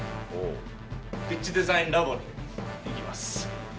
ピッチデザインラボに行きます。